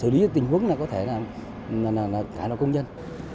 là chắc chắn